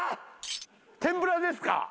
天ぷらですか。